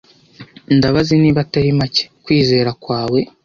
Ndabaza niba atari make-kwizera kwawe.